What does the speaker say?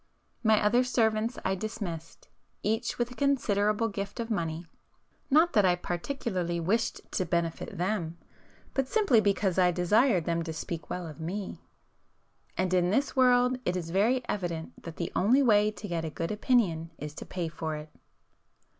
My other servants I dismissed, each with a considerable gift of money, not that I particularly wished to benefit them, but simply because I desired them to speak well of me. And in this world it is very evident that the only way to get a good opinion is to pay for it!